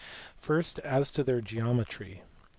First, as to their geometry.